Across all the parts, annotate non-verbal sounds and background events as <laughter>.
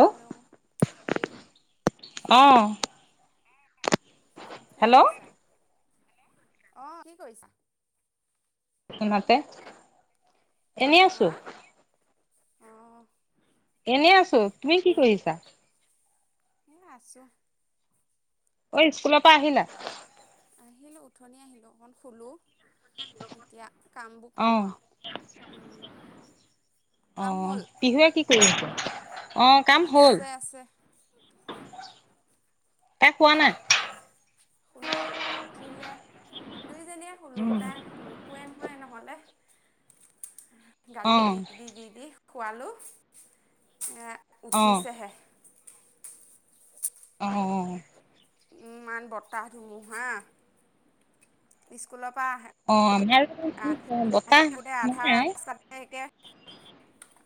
Hello আহ অ কি কৰিছা েল আহ কি কৰিছ মতে এনেই আছো আহঁ এনেই আছো তুমি কি কৰিছা এেই আছোঁ অ স্কুলৰ পৰা আহিলা আহিলো উঠনি আহিলো অকন খুলো <unintelligible> এতিয়া কামবোৰ অ কৰো আৰু উম কাম হ'ল <inaudible> <unintelligible> আহ কাম হ'ল আছে আছে তাই কোৱা নাই খুলে উঠি লৈ দুইজনীয়ে হ'লোঁ তাই নুশোৱেন <unintelligible> সমাই নহ'লে অ গালি দি দি দি দি খোৱালোঁ অ উঠি চেহে আহ ই ইমান বতাহ ধুমু হা স্কুলৰ পৰা অ কি আহি বতাহ থাকোঁতে আধা নাই <unintelligible> ৰাস্তাতে একে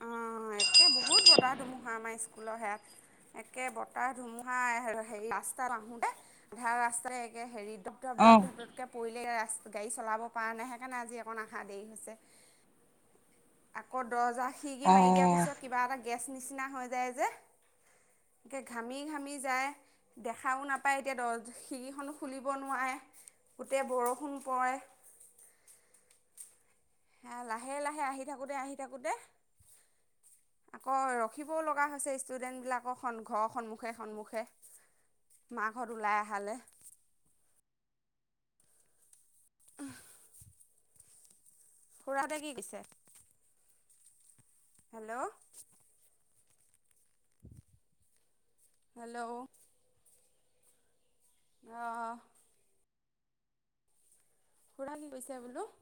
অঁ একে বহুত বতাহ ধুমুহা আমাৰ স্কুলৰ হয়াত একে বতাহ ধুমুহা হেৰি ৰাস্তাত আহোঁ দে আধা ৰাস্তাৰে একে হেৰিত <unintelligible> অ দপদপ কে পৰিলে <unintelligible> গাড়ী চলাব পৰা নাই হে সকাৰণে আজি অকণ আশা দেৰি হৈছে আকৌ দহজাৰ সি কি কি অ মাৰি দিয়াৰ পিছত কিবা এটা গেছ নিচিনা হৈ যায় যে একৈ ঘামি ঘামি যায় দেখাও নাপায় এতিয়া শিৰিখনো খুলিব নোৱাৰে গোটেই বৰষুণ পৰে লাহে লাহে আহি থাকোঁতে আহি থাকোঁতে আকৌ ৰখিবও লগা হৈছে ষ্টুডেণ্টবিলাকৰ ঘৰৰ সন্মুখে সন্মুখে মাক ঘৰত ওলাই আহালে আহ খুৰাহতে কি কৈছে হেল্ল' হেল্ল' আহ খুৰা কি কৈছে বোলো <unintelligible>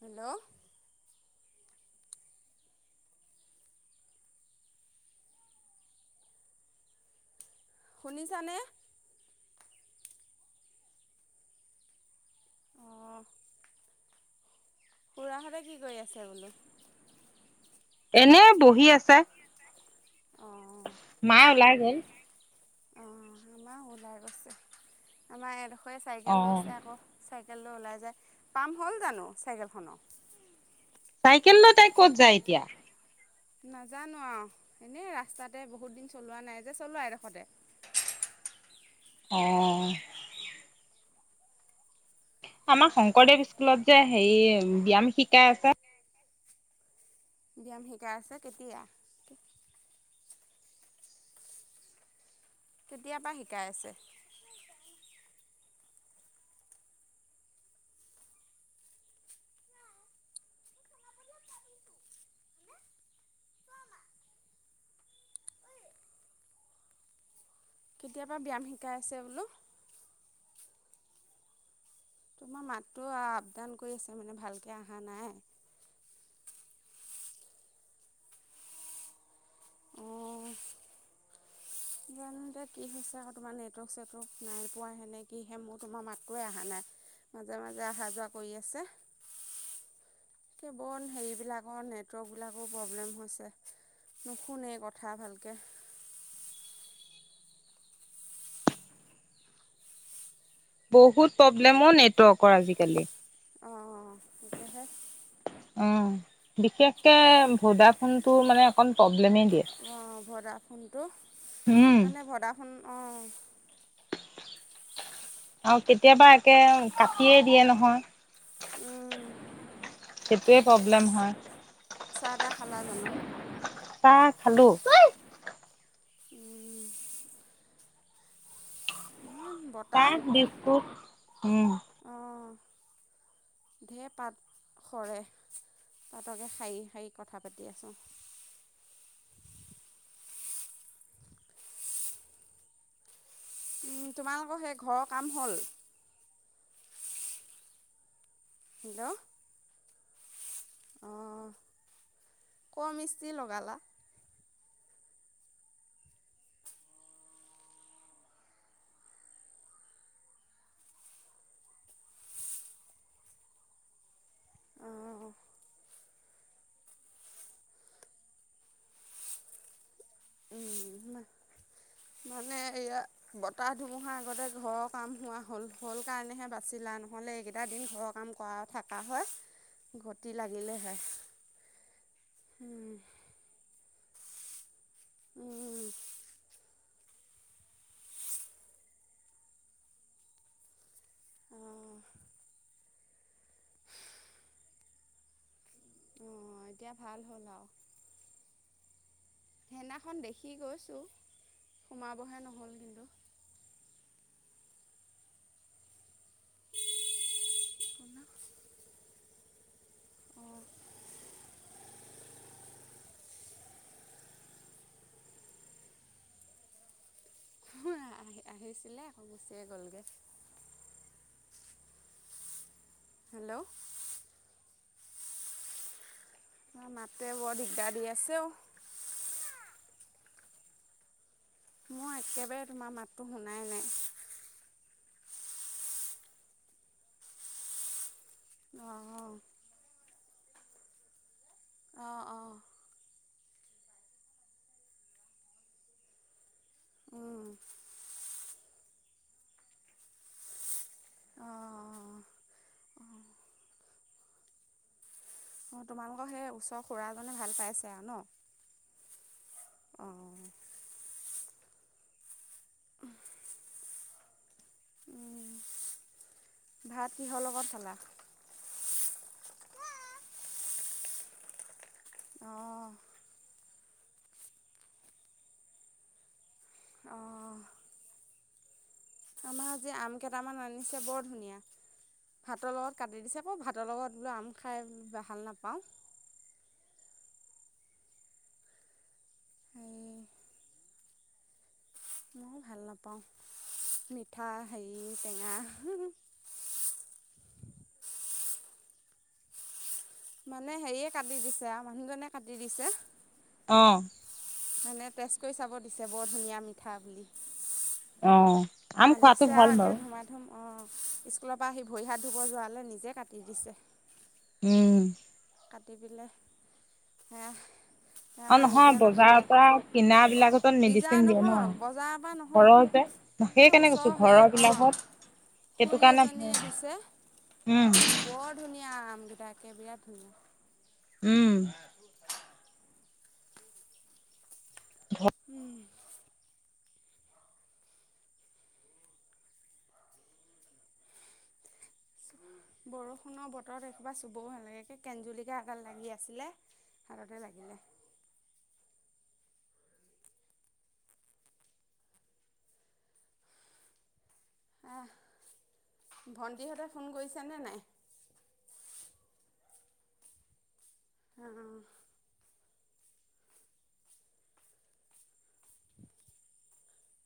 হেল্ল' শুনিছানে খুৰাহতে কি কৰি আছে বোলো এনে বহি আছে মায় ওলাই গ'ল অ আমাৰ ওলাই গৈছে আমাৰ অ চাইকেল লৈছে আকৌ চেলৈ ওলাই যায় পাম হ'ল জানো চাইকেল খনৰ চাইকেল ল তাই ক'ত যায় এতিয়া নাজানো আৰু এনেই ৰাস্তাতে বহুত দিন চলোৱা নাই যে চলোৱা এডোখতে অঁ আমাৰ শংকৰদেৱ স্কুলত যে হেৰি ব্যায়াম শিকাই আছে ব্যায়াম শিকাই আছে কেতিয়া কেতিয়াপা শিকাই আছে কেতিয়াবা ব্যায়াম শিকাই আছে বোলো তোমাৰ মাতটো আপডাউন কৰি আছে মানে ভালকে অহা নাই অ জানো এতিয়া কি হৈছে আকৌ তোমাৰ নেটৱৰ্ক জানো এতিয়া কি হৈছে তোমাৰ নেটৱৰ্ক সেটৱৰ্ক নাই পোৱা হেনে কিহে মোৰ তোমাৰ মাতটোৱেই অহা নাই। মাজে মাজে অহা যোৱা কৰি আছে কেৱল হেৰিবিলাকৰ নেটৱৰ্কবিলাকো প্ৰব্লেম হৈছে নুশুনেই কথা ভালকে বহুত প্ৰব্লেমো নেটৱৰ্কৰ আজিকালি অ সেইটোহে অ বিশেষকে ভদা ফোনটো মানে অকণ প্ৰব্লেমেই দিয়ে। অঁ ভডা ফোনটো উম। সেইকাৰণে ভডা ফোন অ' আৰু কেতিয়াবা একে কাটিয়েই দিয়ে নহয় উম সেইটোয়ে প্ৰব্লেম হয় চাহ তাহ খালা জানো? চাহ খালো উম বতাহ কাই একে দিছো উম অঁ ঢেৰ পাত সৰে পাতকে খাৰী খাৰী কথা পাতি আছোঁ তোমালোকৰ সেই ঘৰৰ কাম হ'ল হেল্ল' অ কম ইিস্তি লগালা অঁ মানে এয়া বতাহ ধুমুহাৰ আগতে ঘৰৰ কাম হোৱা হ'ল হ'ল কাৰণেহে বাচিলা, নহ'লে এইকেইটা দিন ঘৰৰ কাম কৰা থকা হয় ঘটি লাগিলে হয় উম অ এতিয়া ভাল হ'ল আৰু সেইদিনাখন দেখি গৈছো সোমাবহে নহ'ল কিন্তু আহ আহিছিলে আকৌ গুচিয়ে গলগে হেল্ল' মাততে বৰ দিগদাৰ দি আছেও মই একেবাৰে তোমাৰ মাতটোো শুনাই নাই আহ অ অ উম আহঁ অ অ তোমালোকৰ সেই ওচৰ খুৰাজনে ভাল পাইছে আৰু ন অ' উম ভাত কিহৰ লগত খালা আহঁ অ অ আমাৰ আজি আম কেইটামান আনিছে বৰ ধুনীয়া, ভাতৰ লগত কাটি দিছে মই ভাতৰ লগত বোলো আম খাই ভাল নাপাওঁ। এই মই ভাল নাপাওঁ মিঠা হেৰি টেঙা মানে হেৰিয়ে কাটি দিছো মানুহজনে কাটি দিছে অ মানে তেজ কৰি চাব দিছে বৰ ধুনীয়া মিঠা বুলি অঁ আম খোৱাতটো ভাল বাৰু। অ স্কুলৰ পৰা আহি ভৰি হাত ধুব যোৱালৈ নিজে কাটি দিছে। উম কাটি পেলাই তেওঁ অ আকৌ নহয় নিজে বজাৰৰ নাখায় পৰা কিনা বিলাকটো বিজা মেডিচিন দিয়ে ন নহয় ঘৰৰ যে, সেই ওচৰহে অ সেইটো খুৰী কাৰণে এজনীয়ে ভাল। দিছে উম। বৰ ধুনীয়া আম কেইটাকে বিৰাট ধুনীয়া উম ঘ বৰষুণৰ বতৰত এসোবা চুবও নালাগে কেঞ্জুলিকা এডাল লাগি আছিলে হাততে লাগিলে। অ ভণ্টিহঁতে ফোন কৰিছেনে নাই? আহ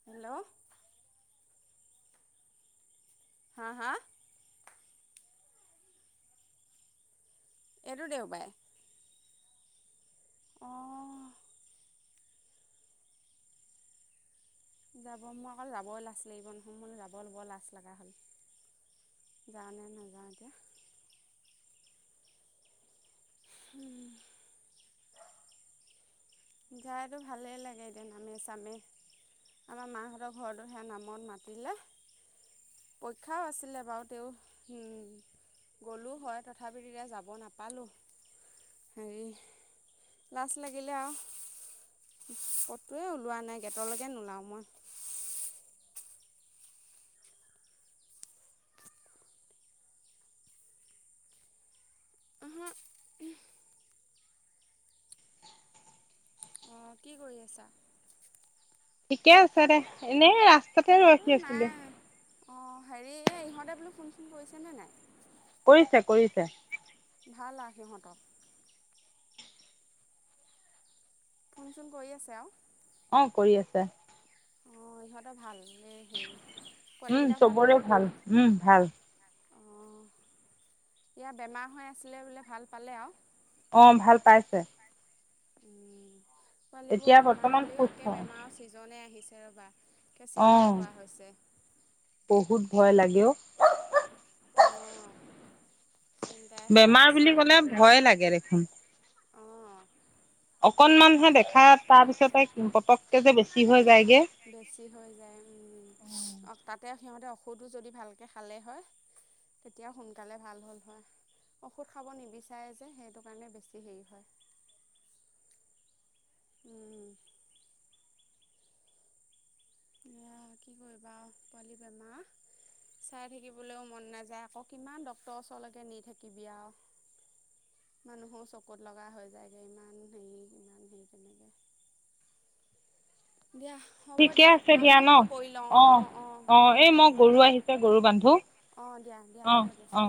হেল্ল' হা হা এইটো দেউবাৰে অঁ যাব মোৰ অকল যাবই লাজ লাগিব নহয় ম যাব ল'ব লাজ লগা হ'ল যাওঁ নে নাযাওঁ এতিয়া। উম যাইতো ভালেই লাগে এতিয়া নামে চামে আমাৰ মাহঁতৰ ঘৰটো সেয়া নামত মাতিলে পৰীক্ষাও আছিলে বাৰু তেওঁ গ'লো হয় তথাপি এতিয়া যাব নাপালোঁ হেৰি লাজ লাগিলে, আৰু ক'তোৱে ওলোৱা নাই গেটলৈকে নোলাওঁ মই। আহা অ কি কৰি আছা ঠিকে আছে দে এনেই ৰাস্তাতে ৰখি আছিলো অ হেৰি এই ইহঁতে বোলো ফোন চোন কৰিছে নে নাই। কৰিছে কৰিছে। ভাল আৰু সিহঁতৰ। ফুন চোন কৰি আছে আৰু। অ কৰি আছে। অ ইহঁতৰ ভাল? এই হেৰি উম পোৱালিকেইটা চবৰে আৰু ভাল, উম ভাল অঁ ইয়াৰ বেমাৰ হৈ আছিলে বোলে ভাল পালে আৰু? অ ভাল পাইছে। পোৱালী এতিয়া বোৰৰ বেমাৰ বৰ্তমান হ'লেই একে সুস্থ বেমাৰৰ চিজন আহিছে। দেওবাৰ অ চিন্তাই হোৱা হৈছে। বহুত ভয় লাগেও। অঁ চিন্তাই হোৱা বেমাৰ হৈছে বুলি ক'লে ভয় লাগে দেখোন। অ অকণমানহে দেখা তাৰপিছতে পতককৈ যে বেছি হৈ যায়গে বেছি হৈ যায় উম তাতে সিহঁতে, ঔষধো যদি ভালকৈ খালে হয়, তেতিয়া সোনকালে ভাল হ'ল হয়। ঔষধ খাব নিবিচাৰে যে সেইটো কাৰণে বেছি হেৰি হয়। উ'ম। সেয়া কি কৰিবা আৰু পোৱালি বেমাৰ চাই থাকিবলৈও মন নাযায় আকৌ কিমান ডক্তৰৰ ওচৰলৈকে নি থাকিবি আৰু মানুহৰ চকুত লগা হৈ যায়গৈ ইমান হেৰি ইমান হেৰি তেনেকৈ দিয়া হ'ব ঠিকে দিয়া আছে কাম ন বনবোৰ কৰি লওঁ, অ', অ', দিয়া এই মই হ'ব গৰু দিয়া, আহিছে গৰু বান্ধো অ দিয়া দিয়া অ হ'ব দিয়া। অ